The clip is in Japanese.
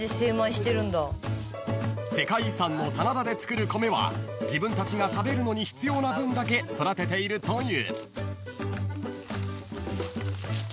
［世界遺産の棚田で作る米は自分たちが食べるのに必要な分だけ育てているという］